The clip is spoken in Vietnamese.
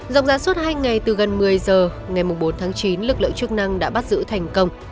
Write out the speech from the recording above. rộng ra suốt hai ngày từ gần một mươi giờ ngày bốn tháng chín lực lượng chức năng đã bắt giữ thành công